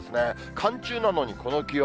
寒中なのにこの気温。